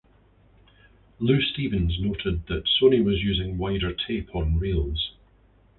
Lou Stevens noted that Sony was using wider tape on reels.